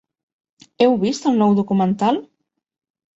Heu vist el nou documental?